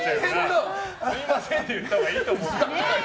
すみませんって言ったほうがいいと思うけど。